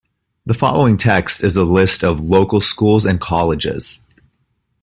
The following text is a list of local schools and colleges.